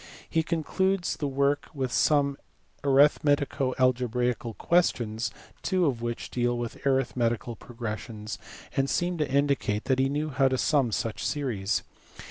He concludes the work with some arithmetico algebraical questions, two of which deal with arithmetical progressions and seem to indicate that he knew how to sum such series.